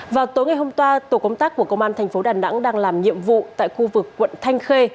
vào tối ngày hôm toa tổ công tác của công an tp đà nẵng đang làm nhiệm vụ tại khu vực quận thanh khê